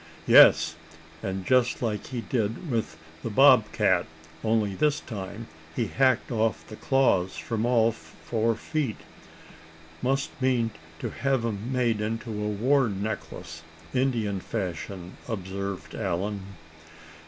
"Yes, and just like he did with the bob cat; only this time, he hacked off the claws from all four feet. Must mean to have 'em made into a war necklace, Indian fashion," observed Allan.